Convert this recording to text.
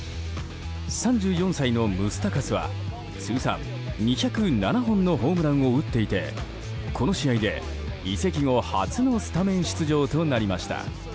３４歳のムスタカスは通算２０７本のホームランを打っていてこの試合で移籍後初のスタメン出場となりました。